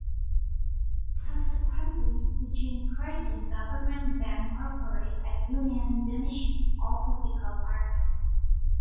Subsequently, the Jean Chretien government banned corporate and union donations to all political parties.